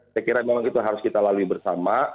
saya kira memang itu harus kita lalui bersama